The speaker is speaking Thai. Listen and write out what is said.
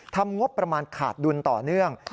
ทำงบประมาณขาดดุลต่อเนื่อง